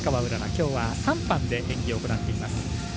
きょうは、３班で演技を行っています。